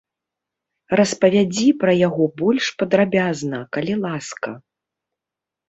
Распавядзі пра яго больш падрабязна, калі ласка.